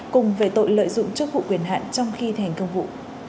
cùng về tội lợi dụng chức vụ quyền hạn trong khi thi hành công vụ